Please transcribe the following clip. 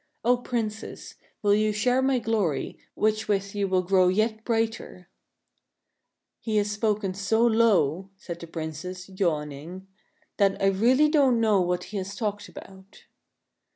0 Princess, will you share my glory, which with you will grow yet brighter ?"" He has spoken so low," said the Princess, yawning, " that 1 really don't know what he has talked about."